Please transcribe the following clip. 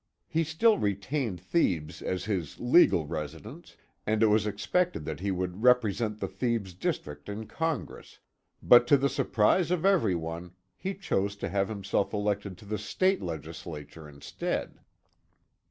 He still retained Thebes as his legal residence, and it was expected that he would represent the Thebes district in Congress, but to the surprise of every one, he chose to have himself elected to the State Legislature instead.